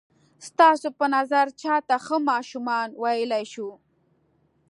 ستاسو په نظر چاته ښه ماشومان ویلای شو؟